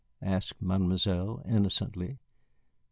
asked Mademoiselle, innocently.